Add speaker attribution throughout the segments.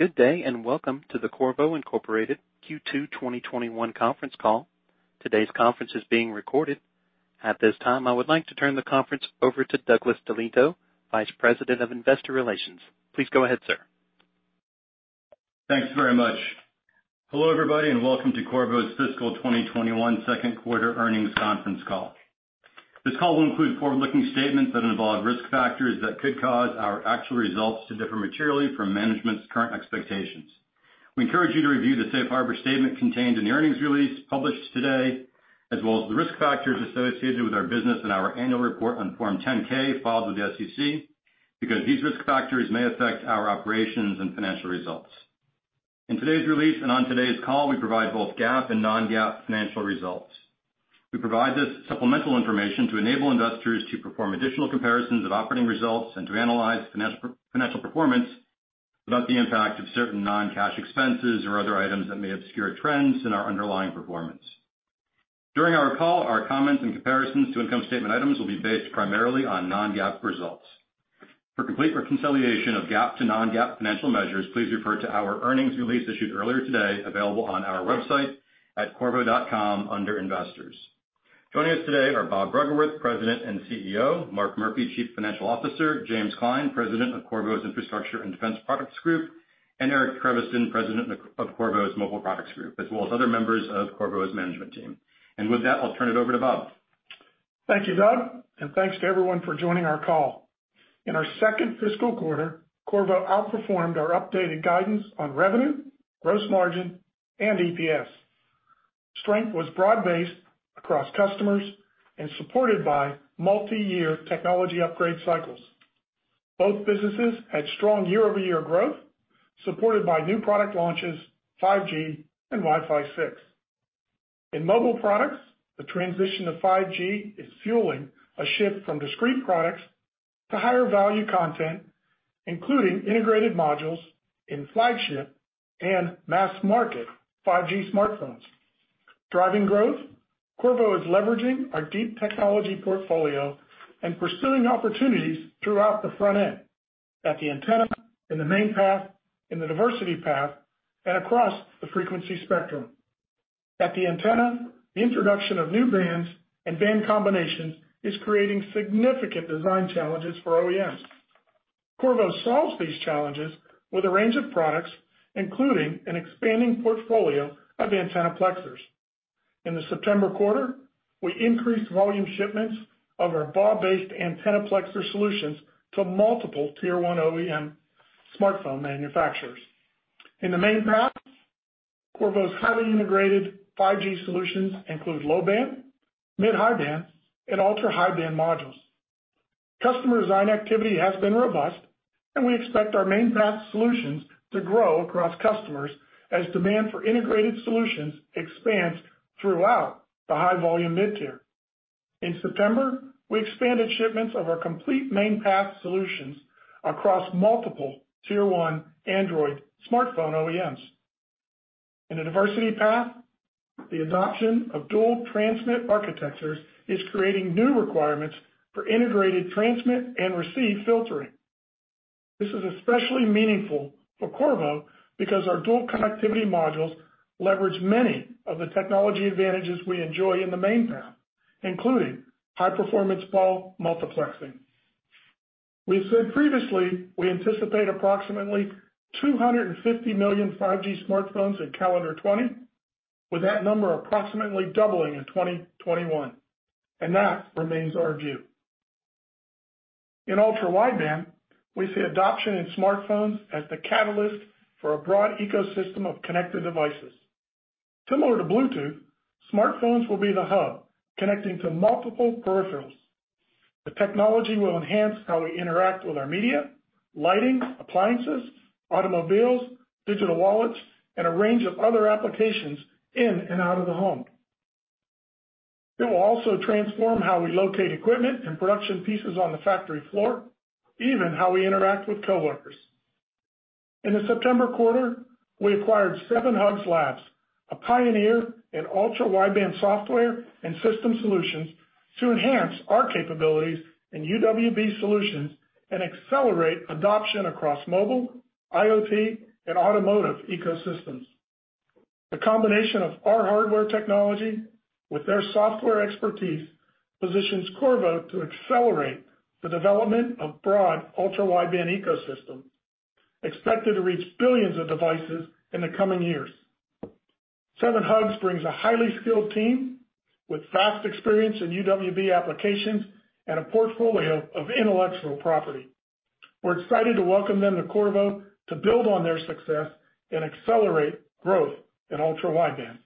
Speaker 1: Good day. Welcome to the Qorvo, Inc. Q2 2021 Conference Call. Today's conference is being recorded. At this time, I would like to turn the conference over to Douglas DeLieto, Vice President of Investor Relations. Please go ahead, sir.
Speaker 2: Thanks very much. Hello, everybody, and welcome to Qorvo's Fiscal 2021 Second Quarter Earnings Conference Call. This call will include forward-looking statements that involve risk factors that could cause our actual results to differ materially from management's current expectations. We encourage you to review the safe harbor statement contained in the earnings release published today, as well as the risk factors associated with our business and our annual report on Form 10-K filed with the SEC, because these risk factors may affect our operations and financial results. In today's release and on today's call, we provide both GAAP and non-GAAP financial results. We provide this supplemental information to enable investors to perform additional comparisons of operating results and to analyze financial performance without the impact of certain non-cash expenses or other items that may obscure trends in our underlying performance. During our call, our comments and comparisons to income statement items will be based primarily on non-GAAP results. For complete reconciliation of GAAP to non-GAAP financial measures, please refer to our earnings release issued earlier today, available on our website at qorvo.com under Investors. Joining us today are Bob Bruggeworth, President and CEO, Mark Murphy, Chief Financial Officer, James Klein, President of Qorvo's Infrastructure and Defense Products Group, and Eric Creviston, President of Qorvo's Mobile Products Group, as well as other members of Qorvo's management team. With that, I'll turn it over to Bob.
Speaker 3: Thank you, Doug, and thanks to everyone for joining our call. In our second fiscal quarter, Qorvo outperformed our updated guidance on revenue, gross margin, and EPS. Strength was broad-based across customers and supported by multi-year technology upgrade cycles. Both businesses had strong year-over-year growth, supported by new product launches, 5G, and Wi-Fi 6. In Mobile Products, the transition to 5G is fueling a shift from discrete products to higher value content, including integrated modules in flagship and mass-market 5G smartphones. Driving growth, Qorvo is leveraging our deep technology portfolio and pursuing opportunities throughout the front end, at the antenna, in the main path, in the diversity path, and across the frequency spectrum. At the antenna, the introduction of new bands and band combinations is creating significant design challenges for OEMs. Qorvo solves these challenges with a range of products, including an expanding portfolio of antennaplexers. In the September quarter, we increased volume shipments of our BAW-based antennaplexer solutions to multiple tier 1 OEM smartphone manufacturers. In the main path, Qorvo's highly integrated 5G solutions include low band, mid/high band, and ultra-high band modules. Customer design activity has been robust, and we expect our main path solutions to grow across customers as demand for integrated solutions expands throughout the high-volume mid-tier. In September, we expanded shipments of our complete main path solutions across multiple tier 1 Android smartphone OEMs. In the diversity path, the adoption of dual transmit architectures is creating new requirements for integrated transmit and receive filtering. This is especially meaningful for Qorvo because our dual connectivity modules leverage many of the technology advantages we enjoy in the main path, including high performance BAW multiplexing. We've said previously, we anticipate approximately 250 million 5G smartphones in calendar 2020, with that number approximately doubling in 2021, and that remains our view. In ultra-wideband, we see adoption in smartphones as the catalyst for a broad ecosystem of connected devices. Similar to Bluetooth, smartphones will be the hub connecting to multiple peripherals. The technology will enhance how we interact with our media, lighting, appliances, automobiles, digital wallets, and a range of other applications in and out of the home. It will also transform how we locate equipment and production pieces on the factory floor, even how we interact with coworkers. In the September quarter, we acquired 7Hugs Labs, a pioneer in ultra-wideband software and system solutions, to enhance our capabilities in UWB solutions and accelerate adoption across mobile, IoT, and automotive ecosystems. The combination of our hardware technology with their software expertise positions Qorvo to accelerate the development of broad ultra-wideband ecosystem, expected to reach billions of devices in the coming years. Seven Hugs brings a highly skilled team with vast experience in UWB applications and a portfolio of intellectual property. We're excited to welcome them to Qorvo to build on their success and accelerate growth in ultra-wideband.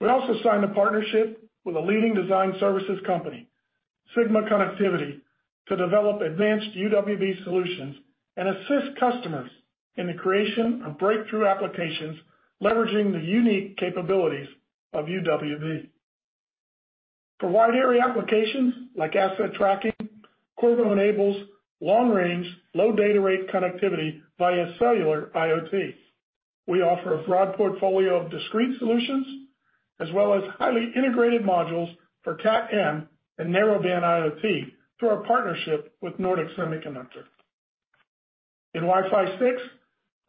Speaker 3: We also signed a partnership with a leading design services company, Sigma Connectivity, to develop advanced UWB solutions and assist customers in the creation of breakthrough applications leveraging the unique capabilities of UWB. For wide area applications like asset tracking, Qorvo enables long-range, low data rate connectivity via cellular IoT. We offer a broad portfolio of discrete solutions as well as highly integrated modules for Cat-M and Narrowband IoT through our partnership with Nordic Semiconductor. In Wi-Fi 6,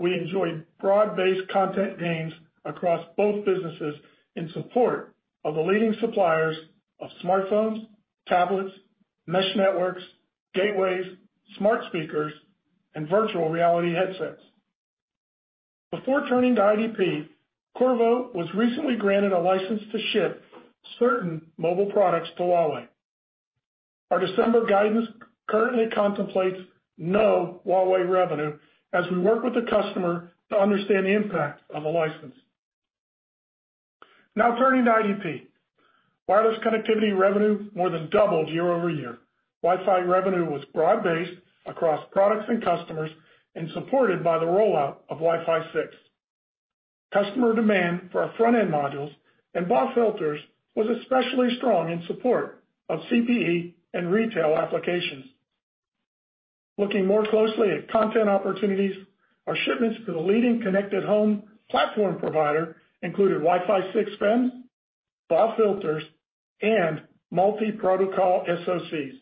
Speaker 3: we enjoyed broad-based content gains across both businesses in support of the leading suppliers of smartphones, tablets, mesh networks, gateways, smart speakers, and virtual reality headsets. Before turning to IDP, Qorvo was recently granted a license to ship certain mobile products to Huawei. Our December guidance currently contemplates no Huawei revenue as we work with the customer to understand the impact of the license. Now turning to IDP. Wireless connectivity revenue more than doubled year-over-year. Wi-Fi revenue was broad-based across products and customers and supported by the rollout of Wi-Fi 6. Customer demand for our front-end modules and BAW filters was especially strong in support of CPE and retail applications. Looking more closely at content opportunities, our shipments to the leading connected home platform provider included Wi-Fi 6 FEMs, BAW filters, and multi-protocol SoCs.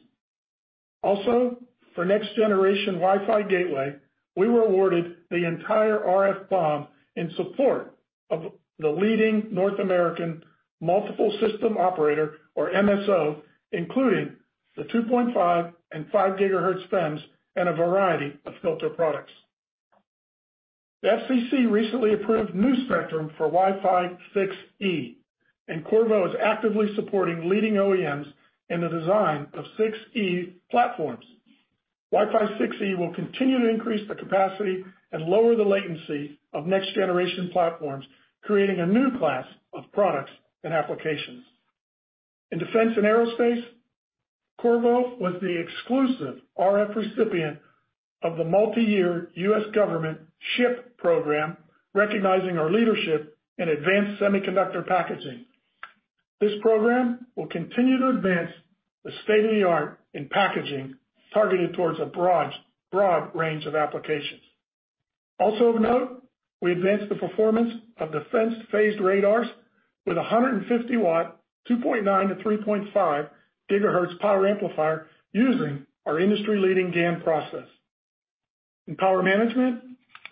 Speaker 3: For next generation Wi-Fi gateway, we were awarded the entire RF BOM in support of the leading North American multiple system operator, or MSO, including the 2.5 and 5 GHz FEMs and a variety of filter products. The FCC recently approved new spectrum for Wi-Fi 6E, Qorvo is actively supporting leading OEMs in the design of 6E platforms. Wi-Fi 6E will continue to increase the capacity and lower the latency of next generation platforms, creating a new class of products and applications. In defense and aerospace, Qorvo was the exclusive RF recipient of the multi-year U.S. government SHIP program, recognizing our leadership in advanced semiconductor packaging. This program will continue to advance the state of the art in packaging, targeted towards a broad range of applications. Also of note, we advanced the performance of defense phased radars with 150 watt, 2.9-3.5 GHz power amplifier using our industry-leading GaN process. In power management,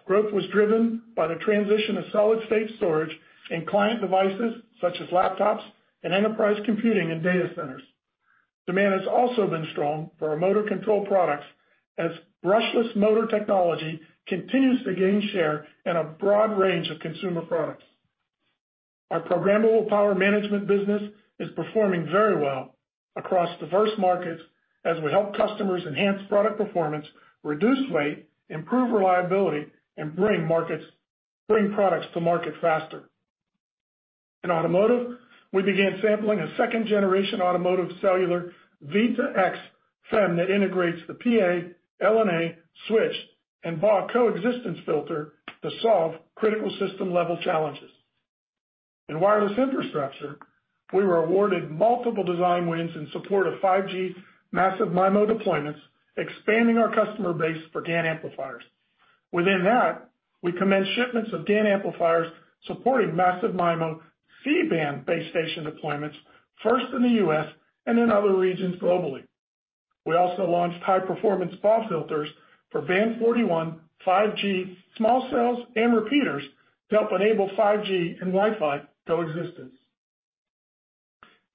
Speaker 3: growth was driven by the transition of solid-state storage in client devices such as laptops and enterprise computing and data centers. Demand has also been strong for our motor control products as brushless motor technology continues to gain share in a broad range of consumer products. Our programmable power management business is performing very well across diverse markets as we help customers enhance product performance, reduce weight, improve reliability, and bring products to market faster. In automotive, we began sampling a second generation automotive cellular V2X FEM that integrates the PA, LNA, switch, and BAW coexistence filter to solve critical system level challenges. In wireless infrastructure, we were awarded multiple design wins in support of 5G massive MIMO deployments, expanding our customer base for GaN amplifiers. Within that, we commenced shipments of GaN amplifiers supporting massive MIMO C-band base station deployments, first in the U.S. and in other regions globally. We also launched high performance BAW filters for Band 41 5G small cells and repeaters to help enable 5G and Wi-Fi coexistence.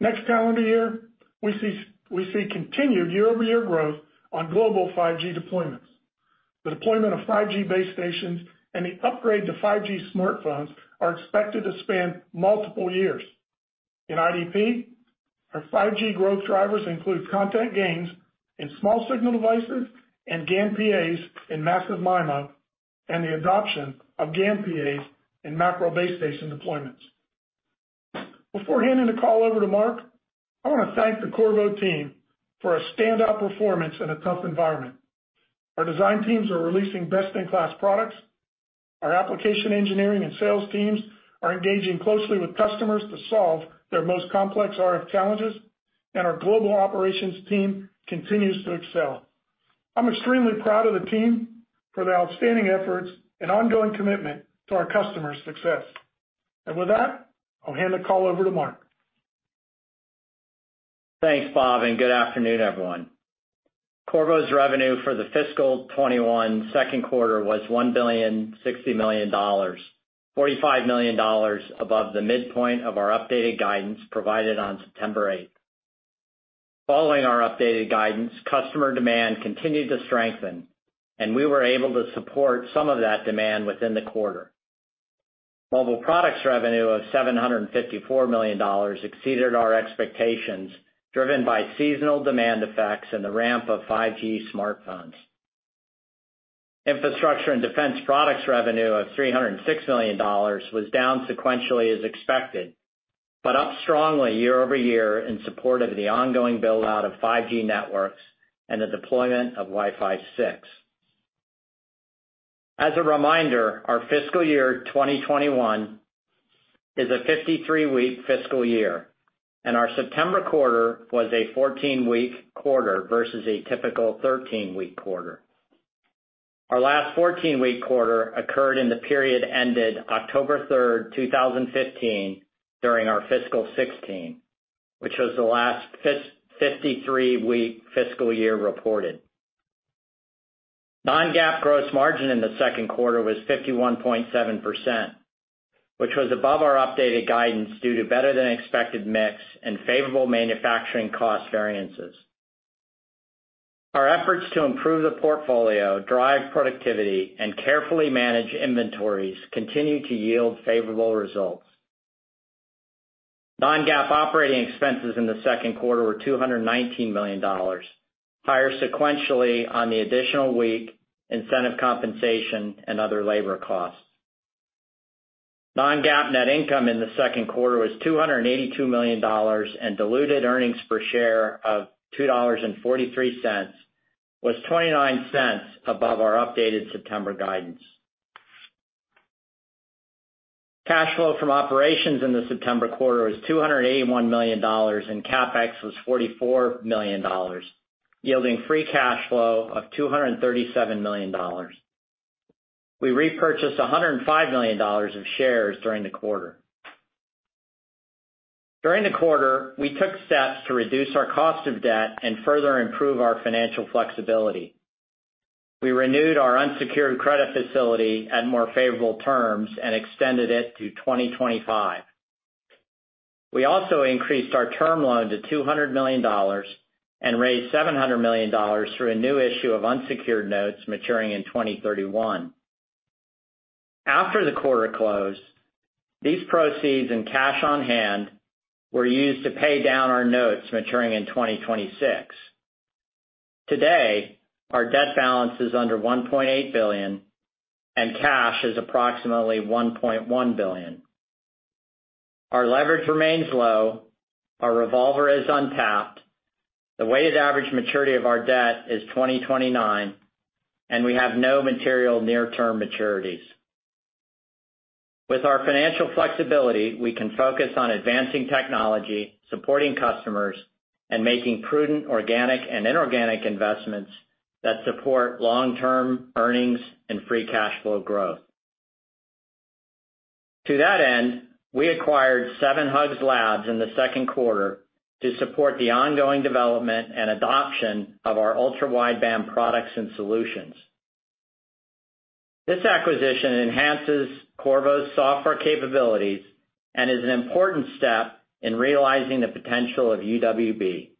Speaker 3: Next calendar year, we see continued year-over-year growth on global 5G deployments. The deployment of 5G base stations and the upgrade to 5G smartphones are expected to span multiple years. In IDP, our 5G growth drivers include content gains in small signal devices and GaN PAs in massive MIMO, and the adoption of GaN PAs in macro base station deployments. Before handing the call over to Mark, I want to thank the Qorvo team for a standout performance in a tough environment. Our design teams are releasing best-in-class products. Our application engineering and sales teams are engaging closely with customers to solve their most complex RF challenges, and our global operations team continues to excel. I'm extremely proud of the team for their outstanding efforts and ongoing commitment to our customers' success. With that, I'll hand the call over to Mark.
Speaker 4: Thanks, Bob, good afternoon, everyone. Qorvo's revenue for the fiscal 2021 second quarter was $1.06 billion, $45 million above the midpoint of our updated guidance provided on September 8. Following our updated guidance, customer demand continued to strengthen, and we were able to support some of that demand within the quarter. Mobile Products revenue of $754 million exceeded our expectations, driven by seasonal demand effects and the ramp of 5G smartphones. Infrastructure and Defense Products revenue of $306 million was down sequentially as expected, but up strongly year-over-year in support of the ongoing build-out of 5G networks and the deployment of Wi-Fi 6. As a reminder, our fiscal year 2021 is a 53-week fiscal year, and our September quarter was a 14-week quarter versus a typical 13-week quarter. Our last 14-week quarter occurred in the period ended October 3rd, 2015, during our fiscal 2016, which was the last 53-week fiscal year reported. Non-GAAP gross margin in the second quarter was 51.7%, which was above our updated guidance due to better than expected mix and favorable manufacturing cost variances. Our efforts to improve the portfolio, drive productivity, and carefully manage inventories continue to yield favorable results. Non-GAAP operating expenses in the second quarter were $219 million, higher sequentially on the additional week, incentive compensation, and other labor costs .Non-GAAP net income in the second quarter was $ 282 million Diluted earnings per share of $2.43 was $0.29 above our updated September guidance. Cash flow from operations in the September quarter was $281 million, and CapEx was $44 million, yielding free cash flow of $237 million. We repurchased $105 million of shares during the quarter. During the quarter, we took steps to reduce our cost of debt and further improve our financial flexibility. We renewed our unsecured credit facility at more favorable terms and extended it to 2025. We also increased our term loan to $200 million and raised $700 million through a new issue of unsecured notes maturing in 2031. After the quarter closed, these proceeds and cash on hand were used to pay down our notes maturing in 2026. Today, our debt balance is under $1.8 billion, and cash is approximately $1.1 billion. Our leverage remains low, our revolver is untapped, the weighted average maturity of our debt is 2029, and we have no material near-term maturities. With our financial flexibility, we can focus on advancing technology, supporting customers, and making prudent organic and inorganic investments that support long-term earnings and free cash flow growth. To that end, we acquired 7Hugs Labs in the second quarter to support the ongoing development and adoption of our ultra-wideband products and solutions. This acquisition enhances Qorvo's software capabilities and is an important step in realizing the potential of UWB.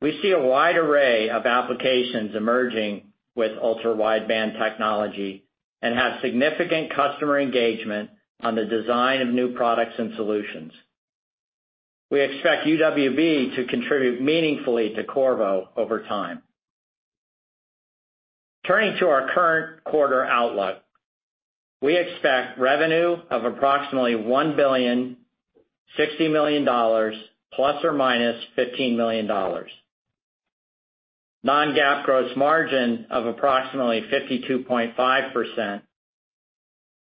Speaker 4: We see a wide array of applications emerging with ultra-wideband technology and have significant customer engagement on the design of new products and solutions. We expect UWB to contribute meaningfully to Qorvo over time. Turning to our current quarter outlook, we expect revenue of approximately $1 billion, $60 million, ±$15 million. Non-GAAP gross margin of approximately 52.5%,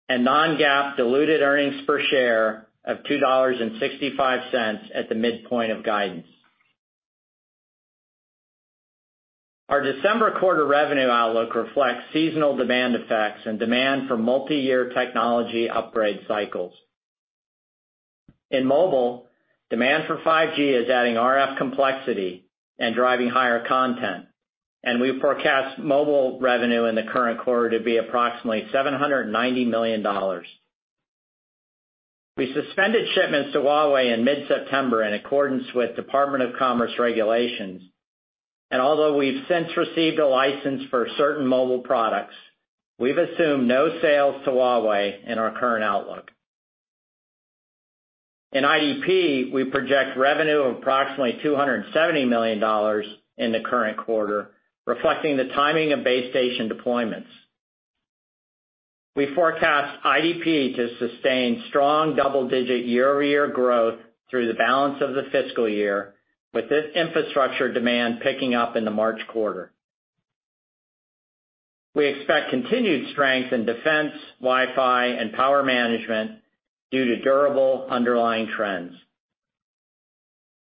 Speaker 4: and non-GAAP diluted earnings per share of $2.65 at the midpoint of guidance. Our December quarter revenue outlook reflects seasonal demand effects and demand for multi-year technology upgrade cycles. In mobile, demand for 5G is adding RF complexity and driving higher content. We forecast mobile revenue in the current quarter to be approximately $790 million. We suspended shipments to Huawei in mid-September in accordance with Department of Commerce regulations. Although we've since received a license for certain Mobile Products, we've assumed no sales to Huawei in our current outlook. In IDP, we project revenue of approximately $270 million in the current quarter, reflecting the timing of base station deployments. We forecast IDP to sustain strong double-digit year-over-year growth through the balance of the fiscal year, with this infrastructure demand picking up in the March quarter. We expect continued strength in defense, Wi-Fi, and power management due to durable underlying trends.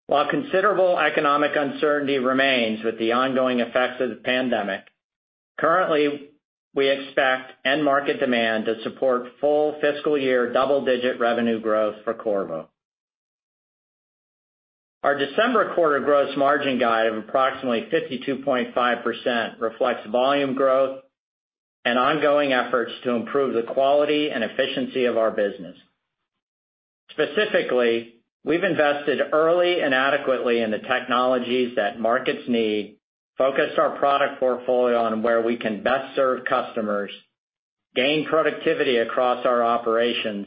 Speaker 4: While considerable economic uncertainty remains with the ongoing effects of the pandemic, currently, we expect end market demand to support full fiscal year double-digit revenue growth for Qorvo. Our December quarter gross margin guide of approximately 52.5% reflects volume growth and ongoing efforts to improve the quality and efficiency of our business. Specifically, we've invested early and adequately in the technologies that markets need, focused our product portfolio on where we can best serve customers, gained productivity across our operations,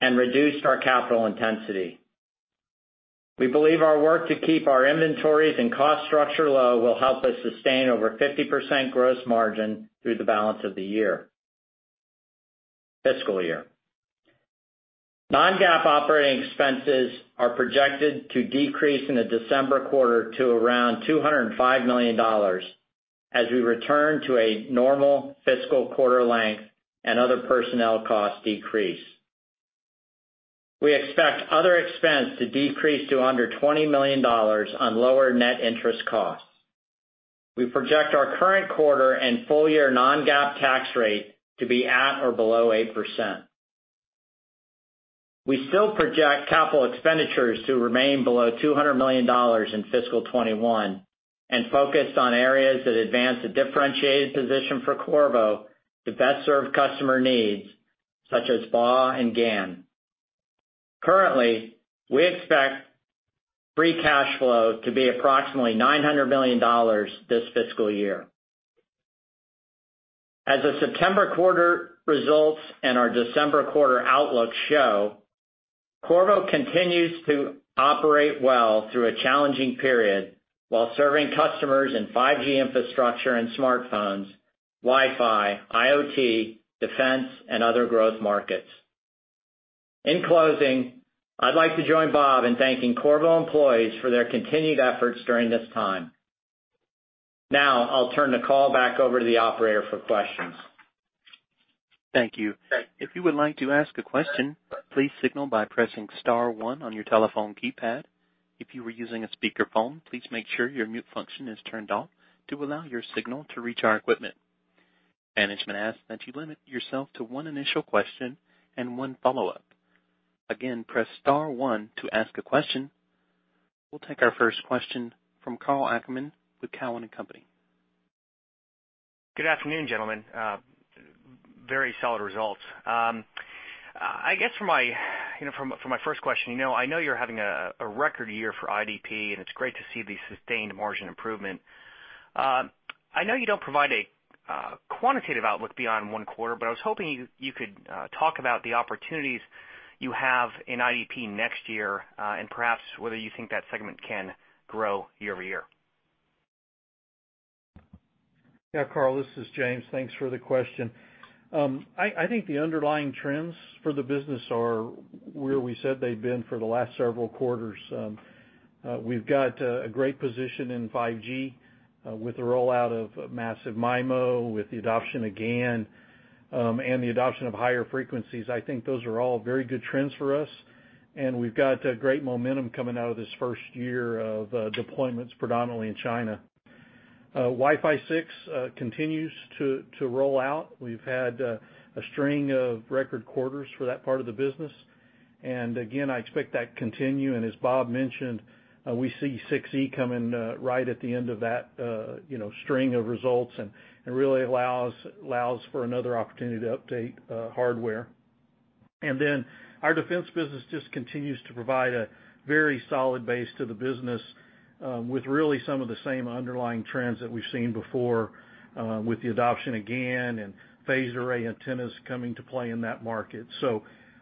Speaker 4: and reduced our capital intensity. We believe our work to keep our inventories and cost structure low will help us sustain over 50% gross margin through the balance of the fiscal year. Non-GAAP operating expenses are projected to decrease in the December quarter to around $205 million as we return to a normal fiscal quarter length and other personnel costs decrease. We expect other expense to decrease to under $20 million on lower net interest costs. We project our current quarter and full-year non-GAAP tax rate to be at or below 8%. We still project capital expenditures to remain below $200 million in fiscal 2021, and focused on areas that advance a differentiated position for Qorvo to best serve customer needs, such as GaN. Currently, we expect free cash flow to be approximately $900 million this fiscal year. As the September quarter results and our December quarter outlook show, Qorvo continues to operate well through a challenging period while serving customers in 5G infrastructure and smartphones, Wi-Fi, IoT, defense, and other growth markets. In closing, I'd like to join Bob in thanking Qorvo employees for their continued efforts during this time. I'll turn the call back over to the operator for questions.
Speaker 1: Thank you, if you would like to ask a question please signal by pressing one on your telephone keypad, if you are using a speaker phone please make sure your mute function is turned up to allow your signal to reach our equipment, and limit yourself to one question and one follow up. Again press star one to ask a question. We'll take our first question from Karl Ackerman with Cowen and Company.
Speaker 5: Good afternoon, gentlemen. Very solid results. I guess for my first question, I know you're having a record year for IDP, and it's great to see the sustained margin improvement. I know you don't provide a quantitative outlook beyond one quarter, but I was hoping you could talk about the opportunities you have in IDP next year, and perhaps whether you think that segment can grow year-over-year.
Speaker 6: Karl, this is James. Thanks for the question. I think the underlying trends for the business are where we said they'd been for the last several quarters. We've got a great position in 5G with the rollout of massive MIMO, with the adoption of GaN, the adoption of higher frequencies. I think those are all very good trends for us, we've got great momentum coming out of this first year of deployments, predominantly in China. Wi-Fi 6 continues to roll out. We've had a string of record quarters for that part of the business. Again, I expect that to continue, and as Bob mentioned, we see 6E coming right at the end of that string of results, and it really allows for another opportunity to update hardware. Our defense business just continues to provide a very solid base to the business with really some of the same underlying trends that we've seen before with the adoption of GaN and phased array antennas coming to play in that market.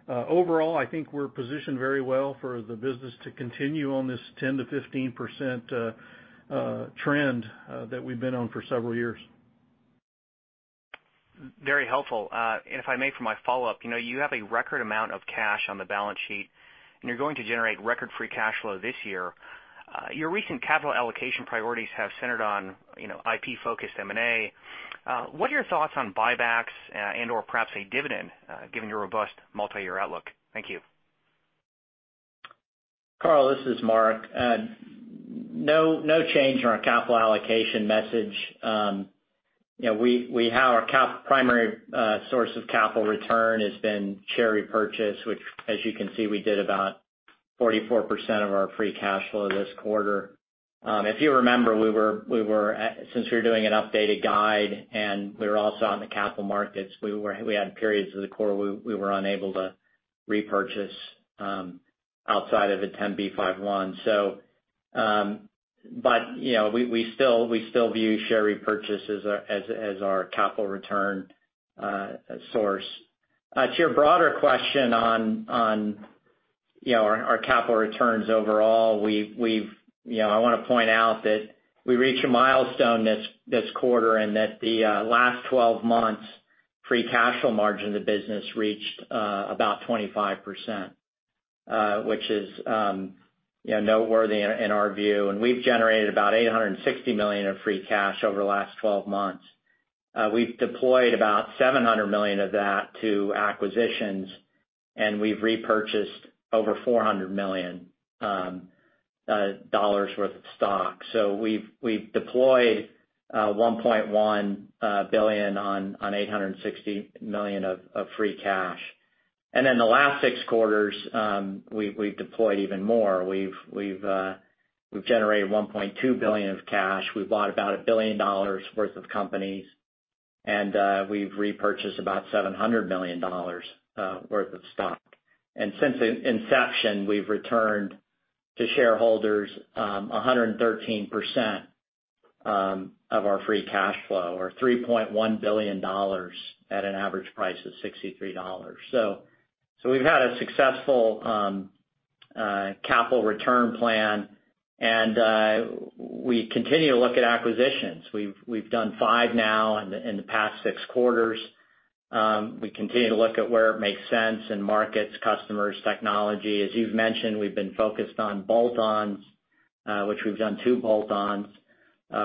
Speaker 6: Overall, I think we're positioned very well for the business to continue on this 10%-15% trend that we've been on for several years.
Speaker 5: Very helpful. If I may, for my follow-up, you have a record amount of cash on the balance sheet, and you're going to generate record free cash flow this year. Your recent capital allocation priorities have centered on IP-focused M&A. What are your thoughts on buybacks and/or perhaps a dividend, given your robust multi-year outlook? Thank you.
Speaker 4: Karl, this is Mark. No change in our capital allocation message. Our primary source of capital return has been share repurchase, which, as you can see, we did about 44% of our free cash flow this quarter. If you remember, since we were doing an updated guide and we were also on the capital markets, we had periods of the quarter we were unable to repurchase outside of a 10b5-1. We still view share repurchase as our capital return source. To your broader question on our capital returns overall, I want to point out that we reached a milestone this quarter and that the last 12 months free cash flow margin of the business reached about 25%, which is noteworthy in our view, and we've generated about $860 million of free cash over the last 12 months. We've deployed about $700 million of that to acquisitions, and we've repurchased over $400 million worth of stock. We've deployed $1.1 billion on $860 million of free cash. In the last six quarters, we've deployed even more. We've generated $1.2 billion of cash. We've bought about $1 billion worth of companies, and we've repurchased about $700 million worth of stock. Since inception, we've returned to shareholders 113% of our free cash flow or $3.1 billion at an average price of $63. We've had a successful capital return plan, and we continue to look at acquisitions. We've done five now in the past six quarters. We continue to look at where it makes sense in markets, customers, technology. As you've mentioned, we've been focused on bolt-ons, which we've done two bolt-ons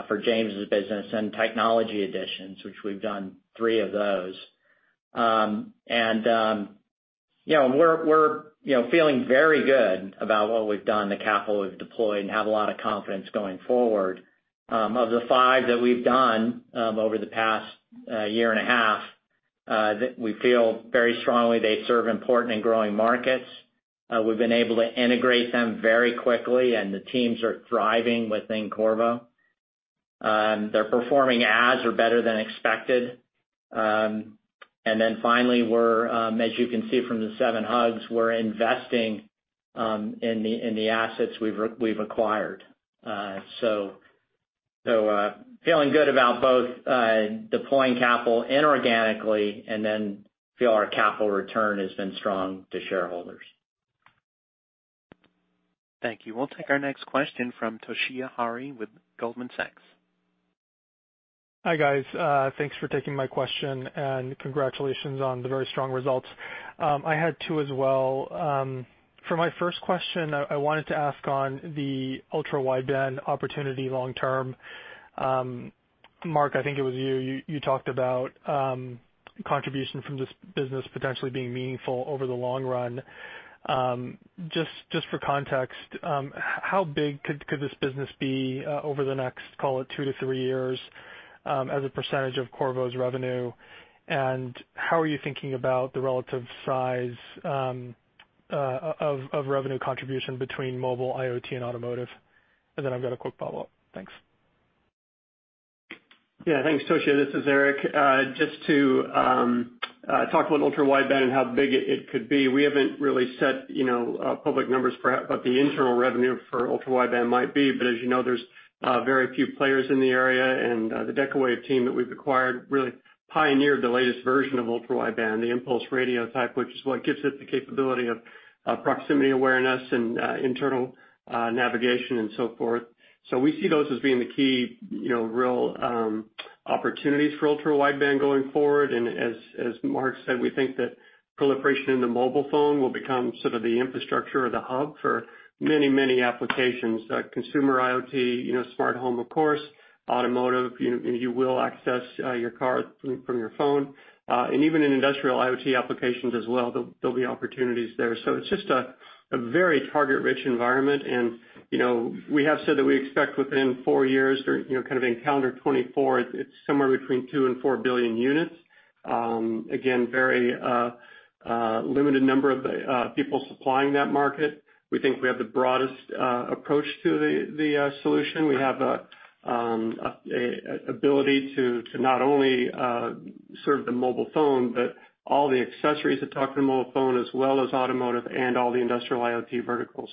Speaker 4: for James' business and technology additions, which we've done three of those. We're feeling very good about what we've done, the capital we've deployed, and have a lot of confidence going forward. Of the five that we've done over the past year and a half, that we feel very strongly they serve important and growing markets. We've been able to integrate them very quickly, and the teams are thriving within Qorvo. They're performing as or better than expected. Finally, as you can see from the 7Hugs, we're investing in the assets we've acquired. Feeling good about both deploying capital inorganically and then feel our capital return has been strong to shareholders.
Speaker 1: Thank you. We'll take our next question from Toshiya Hari with Goldman Sachs.
Speaker 7: Hi, guys. Thanks for taking my question. Congratulations on the very strong results. I had two as well. For my first question, I wanted to ask on the ultra-wideband opportunity long term. Mark, I think it was you talked about contribution from this business potentially being meaningful over the long run. Just for context, how big could this business be over the next, call it two to three years, as a percentage of Qorvo's revenue? How are you thinking about the relative size of revenue contribution between Mobile, IoT, and automotive? I've got a quick follow-up. Thanks.
Speaker 8: Yeah, thanks, Toshiya. This is Eric. Just to talk about ultra-wideband and how big it could be, we haven't really set public numbers for what the internal revenue for ultra-wideband might be. As you know, there's very few players in the area, and the Decawave team that we've acquired really pioneered the latest version of ultra-wideband, the impulse radio type, which is what gives it the capability of proximity awareness and internal navigation and so forth. We see those as being the key real opportunities for ultra-wideband going forward. As Mark said, we think that proliferation in the mobile phone will become sort of the infrastructure or the hub for many, many applications. Consumer IoT, smart home, of course, automotive, you will access your car from your phone. Even in industrial IoT applications as well, there'll be opportunities there. It's just a very target-rich environment. We have said that we expect within four years or kind of in calendar 2024, it's somewhere between two and four billion units. Very limited number of people supplying that market. We think we have the broadest approach to the solution. We have ability to not only sort of the mobile phone, but all the accessories that talk to the mobile phone, as well as automotive and all the industrial IoT verticals.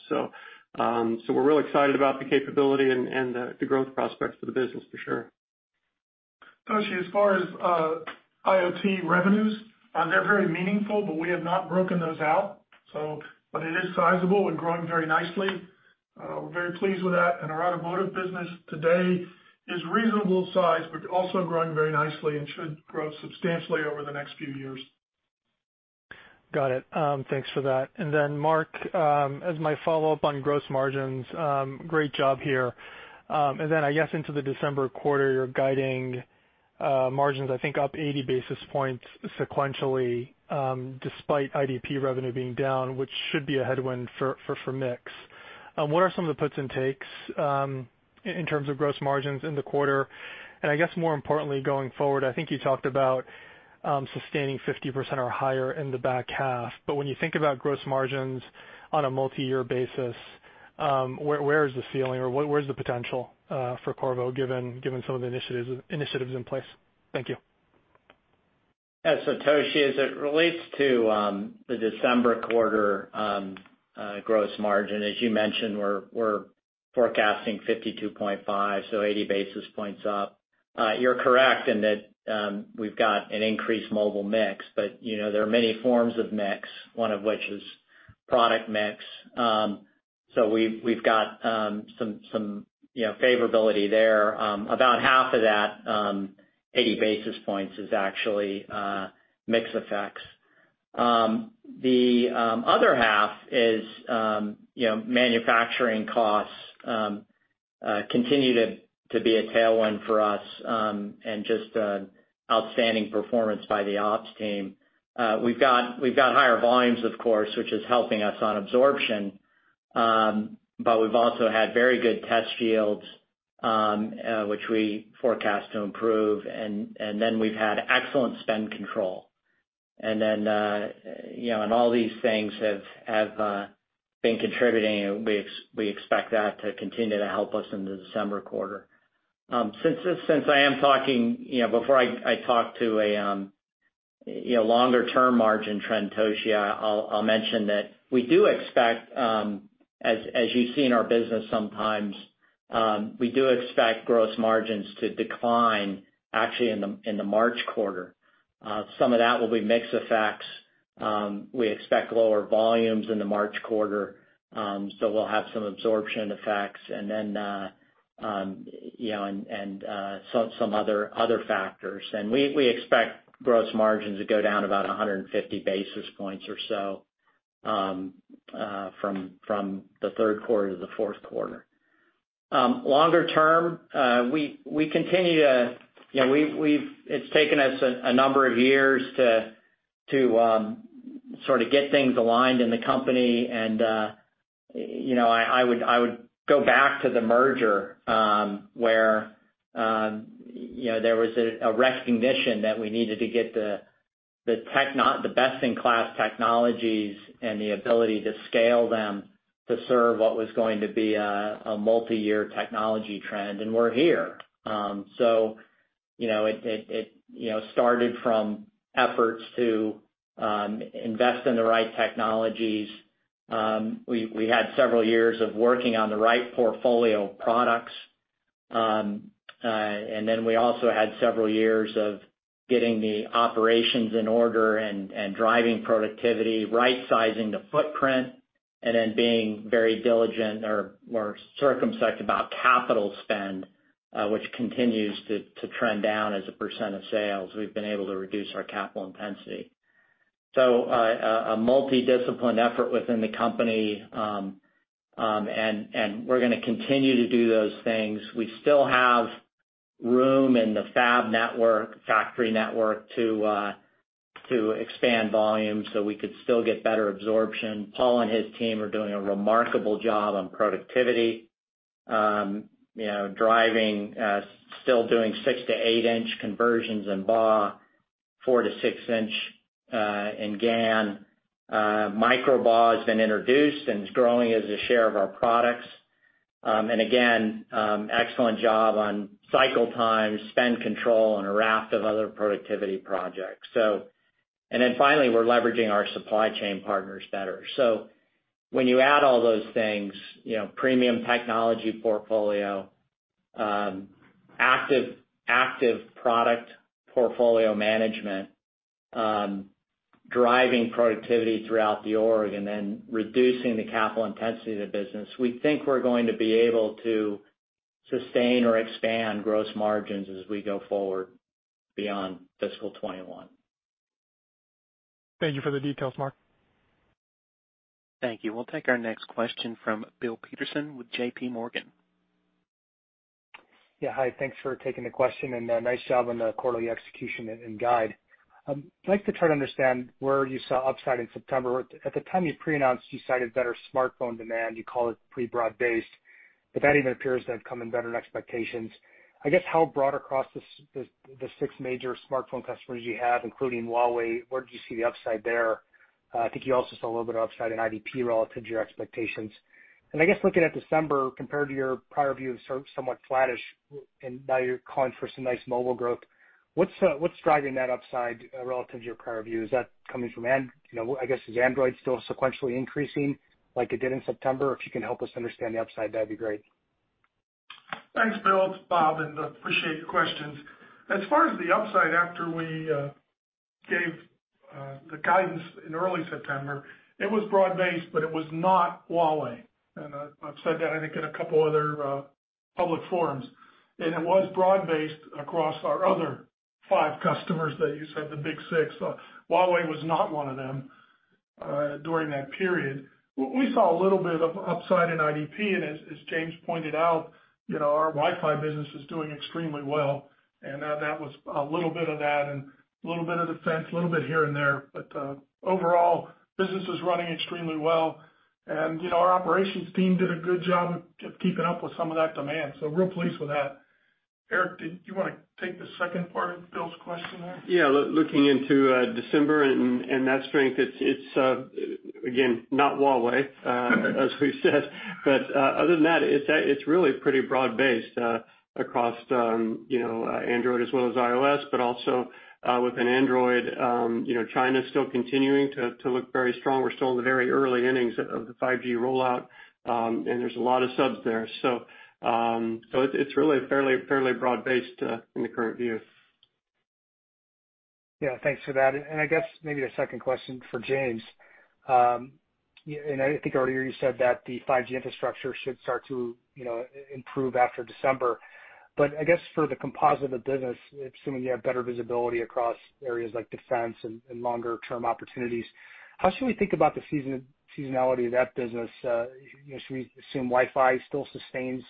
Speaker 8: We're real excited about the capability and the growth prospects for the business for sure.
Speaker 3: Toshiya, as far as IoT revenues, they're very meaningful, but we have not broken those out. It is sizable and growing very nicely. We're very pleased with that. Our automotive business today is reasonable size, but also growing very nicely and should grow substantially over the next few years.
Speaker 7: Got it. Thanks for that. Mark, as my follow-up on gross margins, great job here. I guess into the December quarter, you're guiding margins, I think, up 80 basis points sequentially, despite IDP revenue being down, which should be a headwind for mix. What are some of the puts and takes in terms of gross margins in the quarter? I guess more importantly, going forward, I think you talked about sustaining 50% or higher in the back half. When you think about gross margins on a multi-year basis, where is the ceiling or where's the potential for Qorvo given some of the initiatives in place? Thank you.
Speaker 4: Toshiya, as it relates to the December quarter gross margin, as you mentioned, we're forecasting 52.5%, so 80 basis points up. You're correct in that we've got an increased Mobile mix, but there are many forms of mix, one of which is product mix. We've got some favorability there. About half of that 80 basis points is actually mix effects. The other half is manufacturing costs continue to be a tailwind for us, and just outstanding performance by the ops team. We've got higher volumes, of course, which is helping us on absorption. We've also had very good test yields, which we forecast to improve. We've had excellent spend control. All these things have been contributing, and we expect that to continue to help us in the December quarter. Since I am talking, before I talk to a longer-term margin trend, Toshiya, I'll mention that we do expect, as you see in our business sometimes, we do expect gross margins to decline actually in the March quarter. Some of that will be mix effects. We expect lower volumes in the March quarter, we'll have some absorption effects. Some other factors. We expect gross margins to go down about 150 basis points or so from the third quarter to the fourth quarter. Longer term, it's taken us a number of years to sort of get things aligned in the company. I would go back to the merger, where there was a recognition that we needed to get the best-in-class technologies and the ability to scale them to serve what was going to be a multi-year technology trend, and we're here. It started from efforts to invest in the right technologies. We had several years of working on the right portfolio of products. We also had several years of getting the operations in order and driving productivity, rightsizing the footprint, and then being very diligent or circumspect about capital spend, which continues to trend down as a percentage of sales. We've been able to reduce our capital intensity. A multi-disciplined effort within the company, and we're going to continue to do those things. We still have room in the fab network, factory network to expand volume so we could still get better absorption. Paul and his team are doing a remarkable job on productivity, driving, still doing six to eight-inch conversions in GaN. MicroBAW's been introduced and is growing as a share of our products. Excellent job on cycle times, spend control, and a raft of other productivity projects. Finally, we're leveraging our supply chain partners better. When you add all those things, premium technology portfolio, active product portfolio management, driving productivity throughout the org, and then reducing the capital intensity of the business, we think we're going to be able to sustain or expand gross margins as we go forward beyond fiscal 2021.
Speaker 7: Thank you for the details, Mark.
Speaker 1: Thank you. We'll take our next question from Bill Peterson with JPMorgan.
Speaker 9: Yeah. Hi. Thanks for taking the question, and nice job on the quarterly execution and guide. I'd like to try to understand where you saw upside in September. At the time you pre-announced, you cited better smartphone demand. You called it pretty broad-based, that even appears to have come in better than expectations. I guess how broad across the six major smartphone customers you have, including Huawei, where did you see the upside there? I think you also saw a little bit of upside in IDP relative to your expectations. I guess looking at December, compared to your prior view of somewhat flattish, and now you're calling for some nice mobile growth, what's driving that upside relative to your prior view? Is that coming from, I guess, is Android still sequentially increasing like it did in September? If you can help us understand the upside, that'd be great.
Speaker 3: Thanks, Bill. It's Bob. Appreciate your questions. As far as the upside, after we gave the guidance in early September, it was broad-based, but it was not Huawei. I've said that, I think, in a couple other public forums. It was broad-based across our other five customers that you said, the big six. Huawei was not one of them during that period. We saw a little bit of upside in IDP, and as James pointed out, our Wi-Fi business is doing extremely well, and that was a little bit of that and a little bit of defense, a little bit here and there. Overall, business is running extremely well. Our operations team did a good job of keeping up with some of that demand, so real pleased with that. Eric, did you want to take the second part of Bill's question there?
Speaker 8: Yeah. Looking into December and that strength, it's again, not Huawei, as we said. Other than that, it's really pretty broad-based across Android as well as iOS, but also within Android, China's still continuing to look very strong. We're still in the very early innings of the 5G rollout, and there's a lot of subs there. It's really fairly broad-based in the current view.
Speaker 9: Yeah, thanks for that. I guess maybe the second question for James, and I think I already heard you said that the 5G infrastructure should start to improve after December. I guess for the composite of the business, assuming you have better visibility across areas like defense and longer-term opportunities, how should we think about the seasonality of that business? Should we assume Wi-Fi still sustains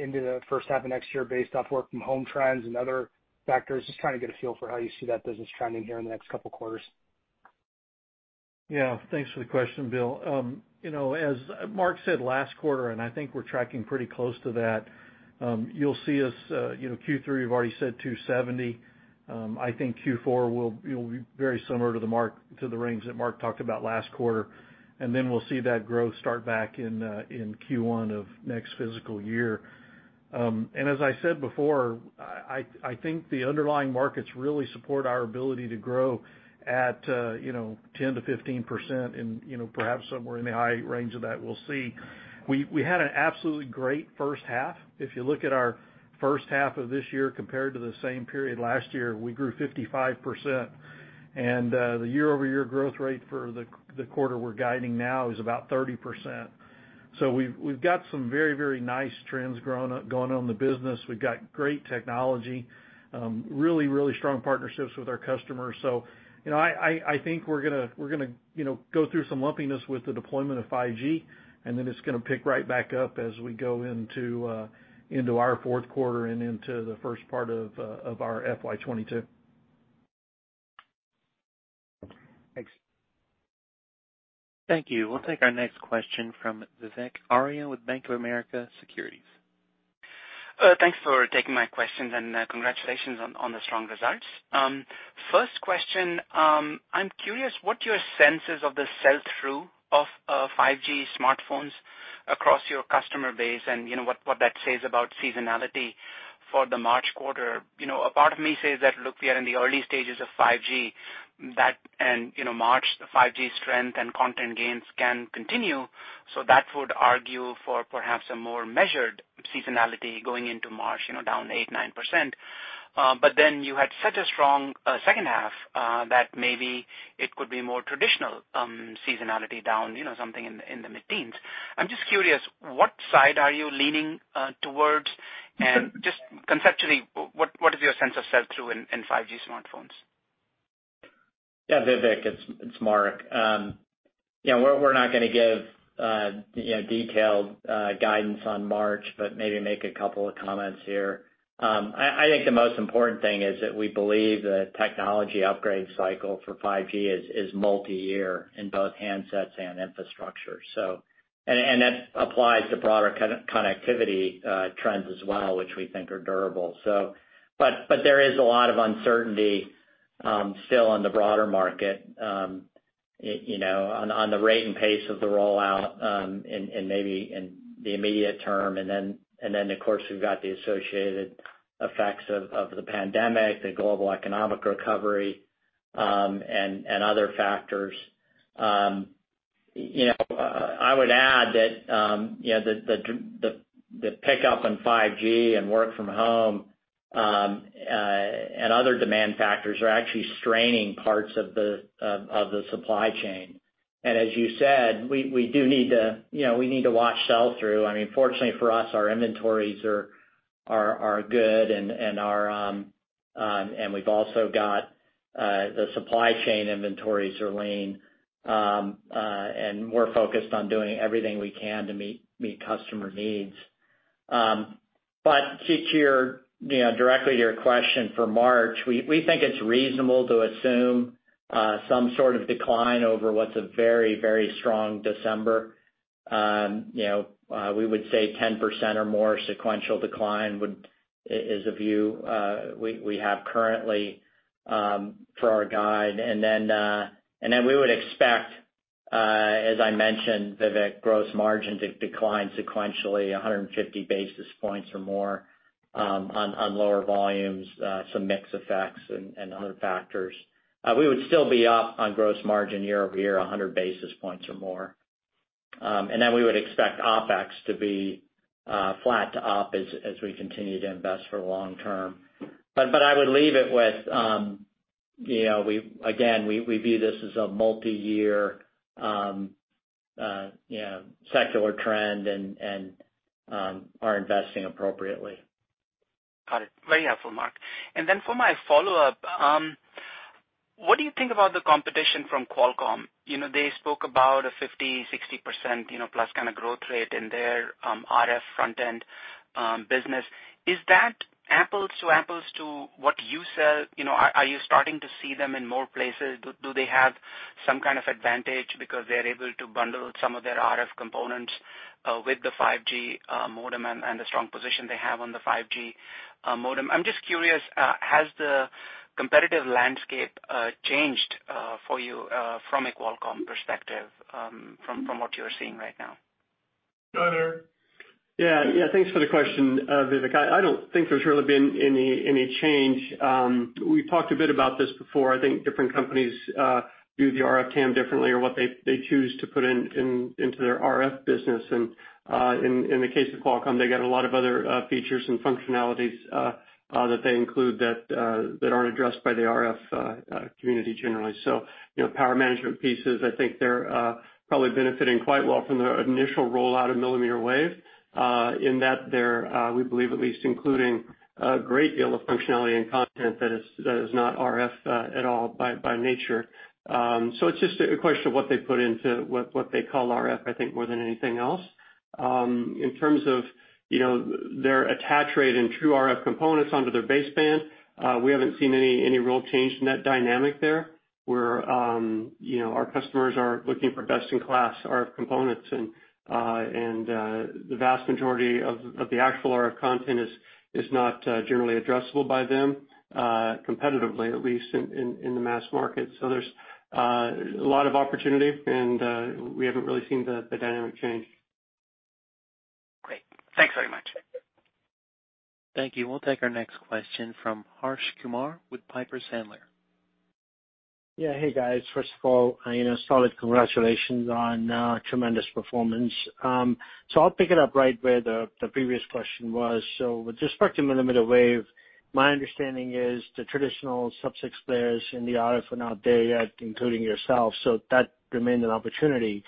Speaker 9: into the first half of next year based off work from home trends and other factors? Just trying to get a feel for how you see that business trending here in the next couple quarters.
Speaker 6: Thanks for the question, Bill. As Mark said last quarter, and I think we're tracking pretty close to that, you'll see us, Q3, we've already said 270. I think Q4 will be very similar to the range that Mark talked about last quarter, and then we'll see that growth start back in Q1 of next fiscal year. As I said before, I think the underlying markets really support our ability to grow at 10%-15% in perhaps somewhere in the high range of that. We'll see. We had an absolutely great first half. If you look at our first half of this year compared to the same period last year, we grew 55%. The year-over-year growth rate for the quarter we're guiding now is about 30%. We've got some very, very nice trends going on in the business. We've got great technology. Really strong partnerships with our customers. I think we're going to go through some lumpiness with the deployment of 5G, and then it's going to pick right back up as we go into our fourth quarter and into the first part of our FY 2022.
Speaker 9: Thanks.
Speaker 1: Thank you. We'll take our next question from Vivek Arya with Bank of America Securities.
Speaker 10: Thanks for taking my questions, and congratulations on the strong results. First question, I'm curious what your sense is of the sell-through of 5G smartphones across your customer base and what that says about seasonality for the March quarter. A part of me says that, look, we are in the early stages of 5G, and March, the 5G strength and content gains can continue, so that would argue for perhaps a more measured seasonality going into March, down 8%-9%. You had such a strong second half, that maybe it could be more traditional seasonality down, something in the mid-teens. I'm just curious, what side are you leaning towards? Just conceptually, what is your sense of sell-through in 5G smartphones?
Speaker 4: Yeah, Vivek, it's Mark. We're not gonna give detailed guidance on March, but maybe make a couple of comments here. I think the most important thing is that we believe the technology upgrade cycle for 5G is multi-year in both handsets and infrastructure. That applies to broader connectivity trends as well, which we think are durable. There is a lot of uncertainty still on the broader market on the rate and pace of the rollout and maybe in the immediate term, and then, of course, we've got the associated effects of the pandemic, the global economic recovery, and other factors. I would add that the pickup in 5G and work from home and other demand factors are actually straining parts of the supply chain. As you said, we need to watch sell-through. Fortunately for us, our inventories are good, and we've also got the supply chain inventories are lean, and we're focused on doing everything we can to meet customer needs. To directly your question for March, we think it's reasonable to assume some sort of decline over what's a very, very strong December. We would say 10% or more sequential decline is a view we have currently for our guide. We would expect, as I mentioned, Vivek, gross margin to decline sequentially 150 basis points or more on lower volumes, some mix effects and other factors. We would still be up on gross margin year-over-year, 100 basis points or more. We would expect OpEx to be flat to up as we continue to invest for the long term. I would leave it with, again, we view this as a multi-year secular trend and are investing appropriately.
Speaker 10: Got it. Very helpful, Mark. For my follow-up, what do you think about the competition from Qualcomm? They spoke about a 50, 60% plus kind of growth rate in their RF front-end business. Is that apples to apples to what you sell? Are you starting to see them in more places? Do they have some kind of advantage because they're able to bundle some of their RF components with the 5G modem and the strong position they have on the 5G modem? I'm just curious, has the competitive landscape changed for you from a Qualcomm perspective from what you're seeing right now?
Speaker 6: Go ahead, Eric.
Speaker 8: Yeah. Thanks for the question, Vivek. I don't think there's really been any change. We've talked a bit about this before. I think different companies view the RF TAM differently or what they choose to put into their RF business. In the case of Qualcomm, they got a lot of other features and functionalities that they include that aren't addressed by the RF community generally. Power management pieces, I think they're probably benefiting quite well from the initial rollout of millimeter wave, in that they're, we believe at least, including a great deal of functionality and content that is not RF at all by nature. It's just a question of what they put into what they call RF, I think, more than anything else. In terms of their attach rate and true RF components onto their baseband, we haven't seen any real change in that dynamic there, where our customers are looking for best-in-class RF components and the vast majority of the actual RF content is not generally addressable by them, competitively, at least, in the mass market. There's a lot of opportunity, and we haven't really seen the dynamic change.
Speaker 10: Great. Thanks very much.
Speaker 1: Thank you. We'll take our next question from Harsh Kumar with Piper Sandler.
Speaker 11: Yeah. Hey, guys. First of all, solid congratulations on a tremendous performance. I'll pick it up right where the previous question was. With respect to millimeter wave, my understanding is the traditional sub-six players in the RF are not there yet, including yourself, so that remained an opportunity.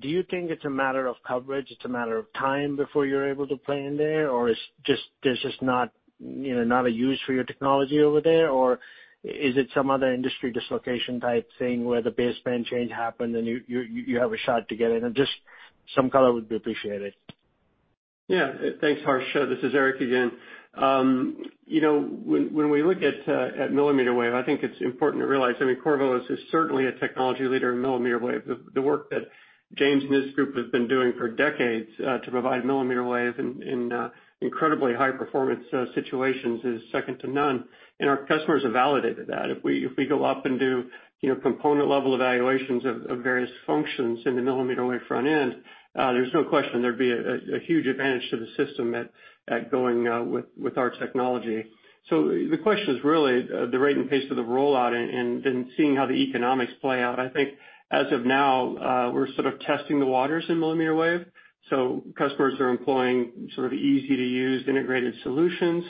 Speaker 11: Do you think it's a matter of coverage, it's a matter of time before you're able to play in there, or there's just not a use for your technology over there? Is it some other industry dislocation type thing where the baseband change happened, and you have a shot to get in? Just some color would be appreciated.
Speaker 8: Yeah. Thanks, Harsh. This is Eric again. When we look at millimeter wave, I think it's important to realize, Qorvo is certainly a technology leader in millimeter wave. The work that James and his group have been doing for decades, to provide millimeter wave in incredibly high-performance situations, is second to none, and our customers have validated that. If we go up and do component-level evaluations of various functions in the millimeter wave front end, there's no question there'd be a huge advantage to the system at going with our technology. The question is really the rate and pace of the rollout and then seeing how the economics play out. I think as of now, we're sort of testing the waters in millimeter wave, so customers are employing sort of easy-to-use integrated solutions.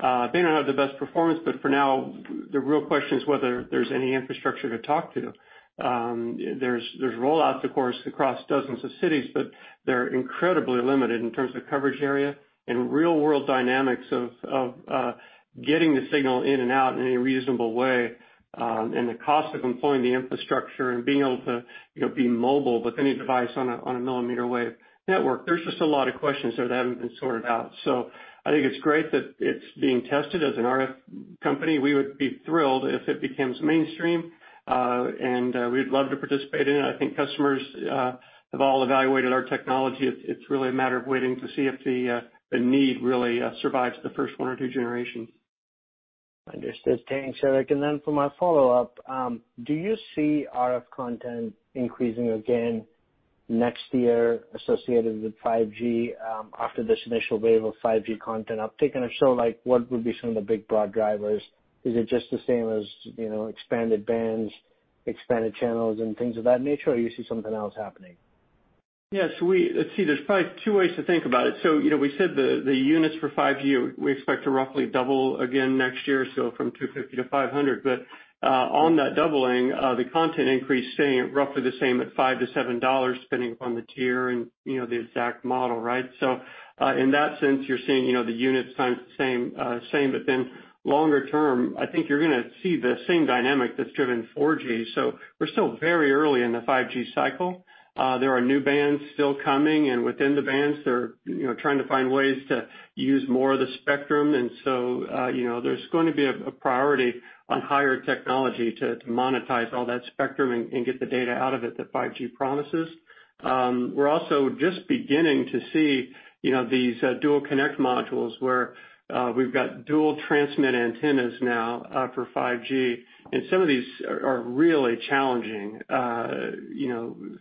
Speaker 8: They don't have the best performance, but for now, the real question is whether there's any infrastructure to talk to. There's rollouts, of course, across dozens of cities, but they're incredibly limited in terms of coverage area and real-world dynamics of getting the signal in and out in any reasonable way, and the cost of employing the infrastructure and being able to be mobile with any device on a millimeter wave network. There's just a lot of questions there that haven't been sorted out. I think it's great that it's being tested. As an RF company, we would be thrilled if it becomes mainstream, and we'd love to participate in it. I think customers have all evaluated our technology. It's really a matter of waiting to see if the need really survives the first one or two generations.
Speaker 11: Understood. Thanks, Eric. For my follow-up, do you see RF content increasing again next year associated with 5G after this initial wave of 5G content uptake? If so, what would be some of the big broad drivers? Is it just the same as expanded bands, expanded channels, and things of that nature, or you see something else happening?
Speaker 8: Yeah. Let's see, there's probably two ways to think about it. We said the units for 5G, we expect to roughly double again next year, so from 250-500. On that doubling, the content increase staying at roughly the same at $5-$7, depending upon the tier and the exact model, right? In that sense, you're seeing the units times the same, but then longer term, I think you're gonna see the same dynamic that's driven 4G. We're still very early in the 5G cycle. There are new bands still coming, and within the bands, they're trying to find ways to use more of the spectrum. There's going to be a priority on higher technology to monetize all that spectrum and get the data out of it that 5G promises. We're also just beginning to see these dual connect modules, where we've got dual transmit antennas now for 5G, and some of these are really challenging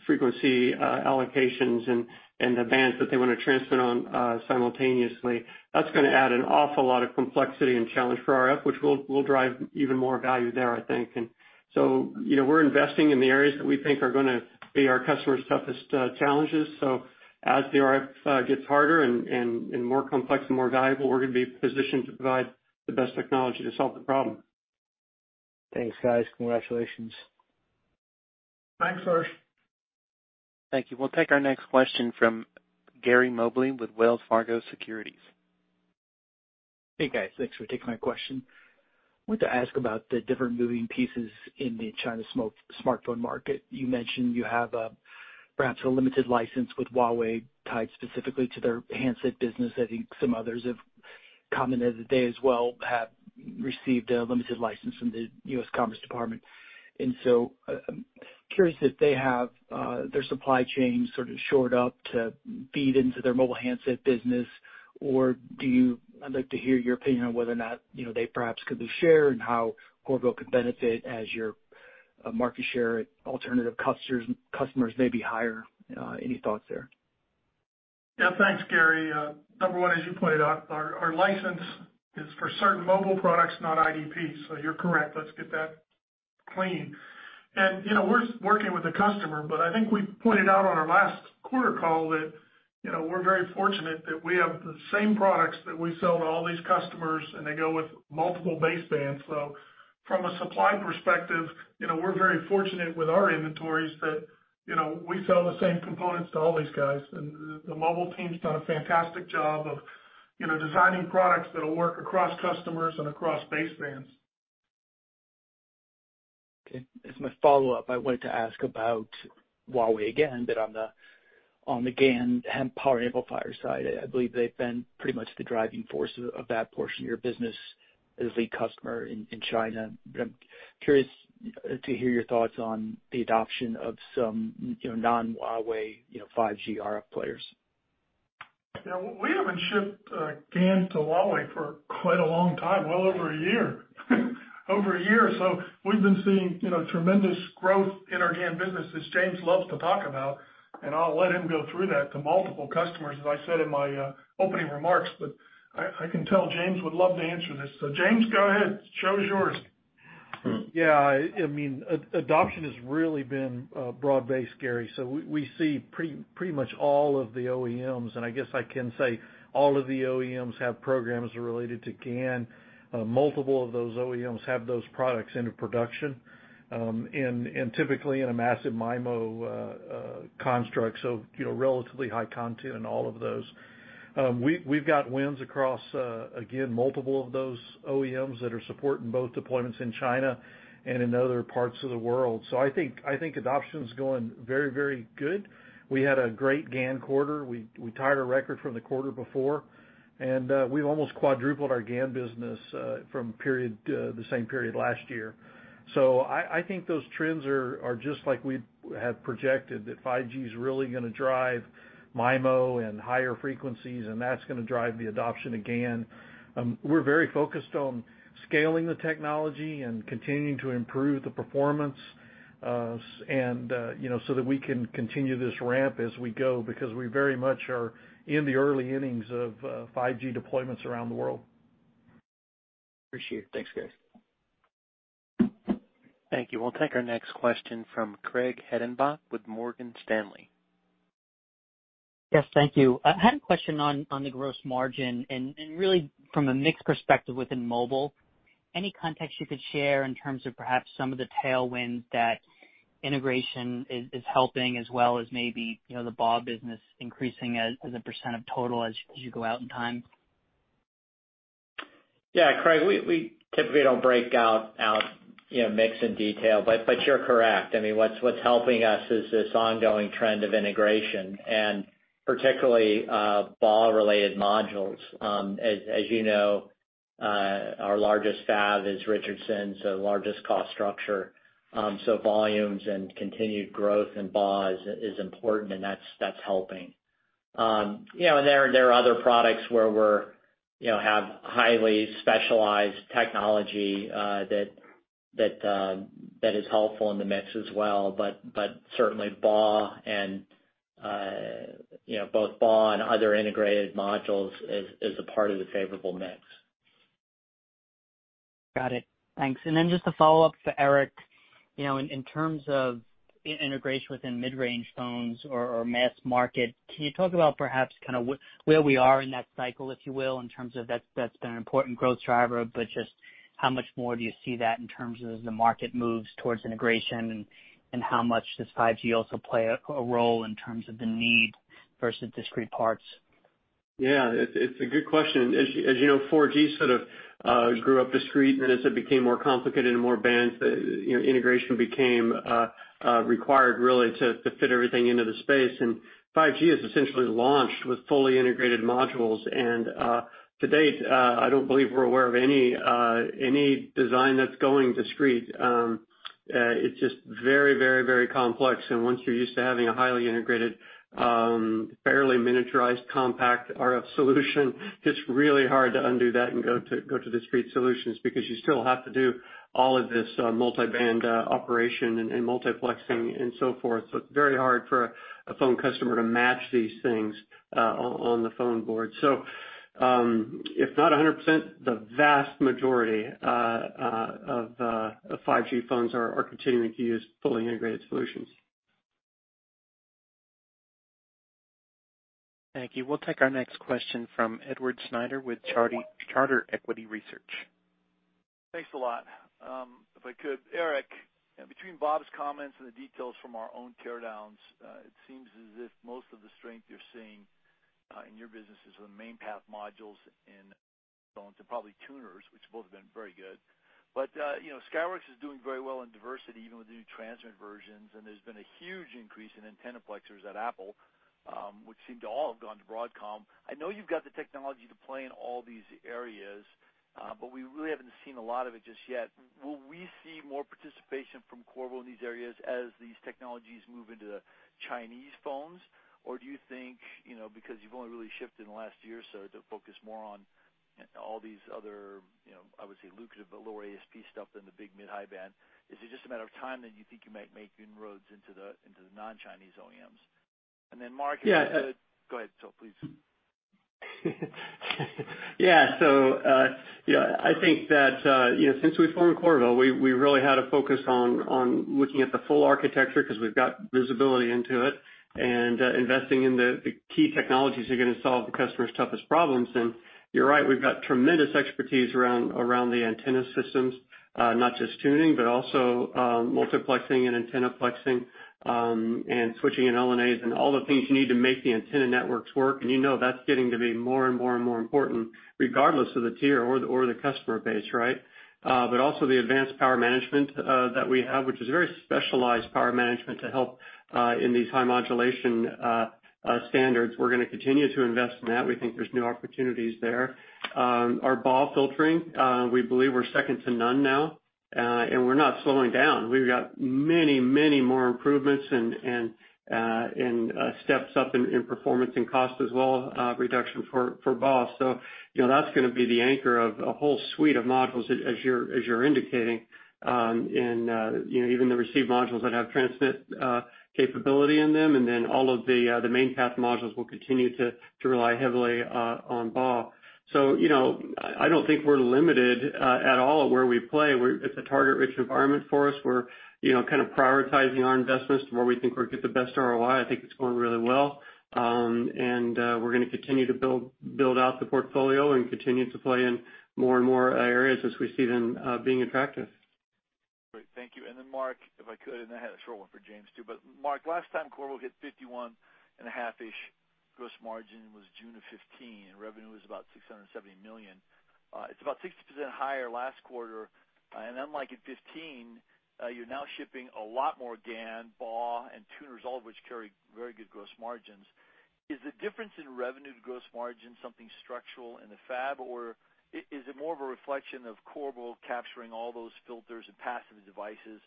Speaker 8: frequency allocations and the bands that they want to transmit on simultaneously. That's gonna add an awful lot of complexity and challenge for RF, which will drive even more value there, I think. We're investing in the areas that we think are gonna be our customers' toughest challenges. As the RF gets harder and more complex and more valuable, we're gonna be positioned to provide the best technology to solve the problem.
Speaker 11: Thanks, guys. Congratulations.
Speaker 3: Thanks, Harsh.
Speaker 1: Thank you. We'll take our next question from Gary Mobley with Wells Fargo Securities.
Speaker 12: Hey, guys. Thanks for taking my question. I wanted to ask about the different moving pieces in the China smartphone market. You mentioned you have perhaps a limited license with Huawei tied specifically to their handset business. I think some others have commented that they as well have received a limited license from the U.S. Department of Commerce. So, curious if they have their supply chain sort of shored up to feed into their mobile handset business, or I'd like to hear your opinion on whether or not they perhaps could be shared and how Qorvo could benefit as your market share at alternative customers may be higher. Any thoughts there?
Speaker 3: Thanks, Gary. Number one, as you pointed out, our license is for certain Mobile Products, not IDP, so you're correct. Let's get that clean. We're working with the customer, but I think we pointed out on our last quarter call that we're very fortunate that we have the same products that we sell to all these customers, and they go with multiple basebands. From a supply perspective, we're very fortunate with our inventories that we sell the same components to all these guys, and the Mobile team's done a fantastic job of designing products that'll work across customers and across basebands.
Speaker 12: Okay. As my follow-up, I wanted to ask about Huawei again, but on the GaN power amplifier side. I believe they've been pretty much the driving force of that portion of your business as a lead customer in China. I'm curious to hear your thoughts on the adoption of some non-Huawei 5G RF players.
Speaker 3: Yeah. We haven't shipped GaN to Huawei for quite a long time, well over a year. Over a year or so, we've been seeing tremendous growth in our GaN business, as James loves to talk about. I'll let him go through that to multiple customers, as I said in my opening remarks. I can tell James would love to answer this. James, go ahead. The show is yours.
Speaker 6: Yeah. Adoption has really been broad-based, Gary. We see pretty much all of the OEMs, and I guess I can say all of the OEMs have programs related to GaN. Multiple of those OEMs have those products into production, and typically in a massive MIMO construct, so relatively high content in all of those. We've got wins across, again, multiple of those OEMs that are supporting both deployments in China and in other parts of the world. I think adoption's going very good. We had a great GaN quarter. We tied our record from the quarter before, and we've almost quadrupled our GaN business from the same period last year. I think those trends are just like we had projected, that 5G's really going to drive MIMO and higher frequencies, and that's going to drive the adoption of GaN.
Speaker 8: We're very focused on scaling the technology and continuing to improve the performance, so that we can continue this ramp as we go, because we very much are in the early innings of 5G deployments around the world.
Speaker 12: Appreciate it. Thanks, guys.
Speaker 1: Thank you. We'll take our next question from Craig Hettenbach with Morgan Stanley.
Speaker 13: Yes, thank you. I had a question on the gross margin and really from a mix perspective within Mobile, any context you could share in terms of perhaps some of the tailwind that integration is helping as well as maybe, the BAW business increasing as a percent of total as you go out in time?
Speaker 4: Craig, we typically don't break out mix in detail, but you're correct. What's helping us is this ongoing trend of integration and particularly BAW-related modules. As you know, our largest fab is Richardson, largest cost structure. Volumes and continued growth in BAW is important, and that's helping. There are other products where we have highly specialized technology that is helpful in the mix as well, but certainly both BAW and other integrated modules is a part of the favorable mix.
Speaker 13: Got it. Thanks. Then just a follow-up for Eric. In terms of integration within mid-range phones or mass market, can you talk about perhaps where we are in that cycle, if you will, in terms of that's been an important growth driver, but just how much more do you see that in terms of the market moves towards integration, and how much does 5G also play a role in terms of the need versus discrete parts?
Speaker 8: Yeah. It's a good question. As you know, 4G sort of grew up discrete, as it became more complicated and more bands, integration became required really to fit everything into the space. 5G is essentially launched with fully integrated modules. To date, I don't believe we're aware of any design that's going discrete. It's just very complex, and once you're used to having a highly integrated, fairly miniaturized compact RF solution, it's really hard to undo that and go to discrete solutions, because you still have to do all of this multi-band operation and multiplexing and so forth. It's very hard for a phone customer to match these things on the phone board. If not 100%, the vast majority of 5G phones are continuing to use fully integrated solutions.
Speaker 1: Thank you. We'll take our next question from Edward Snyder with Charter Equity Research.
Speaker 14: Thanks a lot. If I could, Eric, between Bob's comments and the details from our own teardowns, it seems as if most of the strength you're seeing in your business is the main path modules in phones and probably tuners, which both have been very good. Skyworks is doing very well in diversity, even with the new transmit versions, and there's been a huge increase in antennaplexers at Apple, which seem to all have gone to Broadcom. I know you've got the technology to play in all these areas, but we really haven't seen a lot of it just yet. Will we see more participation from Qorvo in these areas as these technologies move into the Chinese phones, or do you think, because you've only really shifted in the last year or so to focus more on all these other, I would say, lucrative, but lower ASP stuff than the big mid-high band. Is it just a matter of time that you think you might make inroads into the non-Chinese OEMs? Mark.
Speaker 8: Yeah-
Speaker 14: Go ahead, Eric, please.
Speaker 8: Yeah. I think that since we formed Qorvo, we really had a focus on looking at the full architecture because we've got visibility into it, investing in the key technologies are going to solve the customer's toughest problems. You're right, we've got tremendous expertise around the antenna systems, not just tuning, but also multiplexing and antennaplexing, switching and LNAs, and all the things you need to make the antenna networks work. You know that's getting to be more and more important regardless of the tier or the customer base, right? Also the advanced power management that we have, which is very specialized power management to help, in these high modulation standards. We're gonna continue to invest in that. We think there's new opportunities there. Our BAW filtering, we believe we're second to none now, and we're not slowing down. We've got many more improvements and steps up in performance and cost as well, reduction for BAW. That's going to be the anchor of a whole suite of modules as you're indicating, and even the receive modules that have transmit capability in them, and then all of the main path modules will continue to rely heavily on BAW. I don't think we're limited at all at where we play. It's a target-rich environment for us. We're kind of prioritizing our investments to where we think we'll get the best ROI. I think it's going really well. We're going to continue to build out the portfolio and continue to play in more and more areas as we see them being attractive.
Speaker 14: Great. Thank you. Mark, if I could, I had a short one for James too, Mark, last time Qorvo hit 51.5% gross margin was June of 2015, revenue was about $670 million. It's about 60% higher last quarter. Unlike in 2015, you're now shipping a lot more GaN, BAW, and tuners, all of which carry very good gross margins. Is the difference in revenue to gross margin something structural in the fab, or is it more of a reflection of Qorvo capturing all those filters and passive devices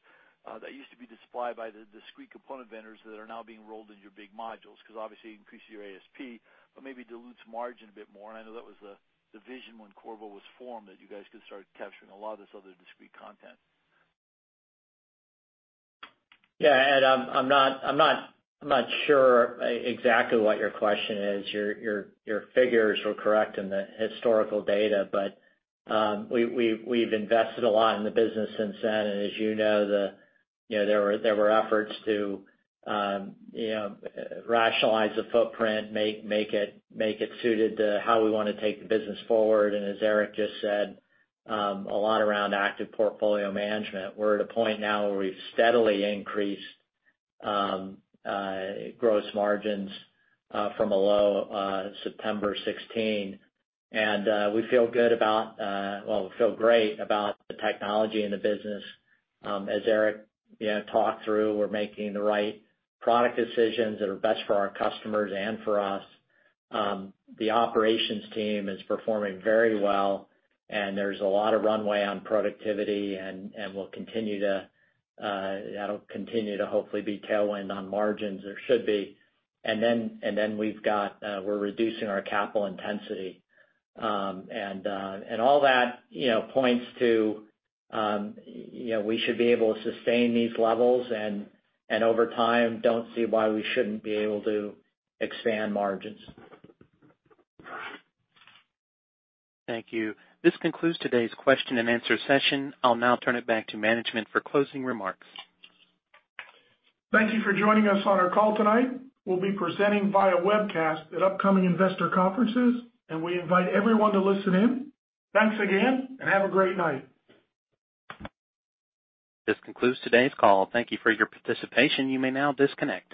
Speaker 14: that used to be supplied by the discrete component vendors that are now being rolled into your big modules? Obviously, you increase your ASP, but maybe dilutes margin a bit more, and I know that was the vision when Qorvo was formed, that you guys could start capturing a lot of this other discrete content.
Speaker 4: Yeah, Ed, I'm not sure exactly what your question is. Your figures were correct in the historical data. We've invested a lot in the business since then. As you know, there were efforts to rationalize the footprint, make it suited to how we want to take the business forward. As Eric just said, a lot around active portfolio management. We're at a point now where we've steadily increased gross margins from a low September 2016. We feel good about well, we feel great about the technology and the business. As Eric talked through, we're making the right product decisions that are best for our customers and for us. The operations team is performing very well. There's a lot of runway on productivity, and that'll continue to hopefully be tailwind on margins, or should be. We're reducing our capital intensity. All that points to we should be able to sustain these levels, and over time, don't see why we shouldn't be able to expand margins.
Speaker 1: Thank you. This concludes today's question and answer session. I'll now turn it back to management for closing remarks.
Speaker 3: Thank you for joining us on our call tonight. We'll be presenting via webcast at upcoming investor conferences, and we invite everyone to listen in. Thanks again, and have a great night.
Speaker 1: This concludes today's call. Thank you for your participation. You may now disconnect.